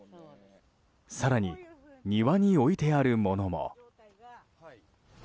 更に、庭に置いてあるものも。